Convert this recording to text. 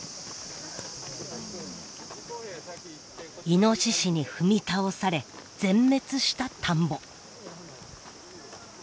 イノシシに踏み倒され全滅した田んぼ。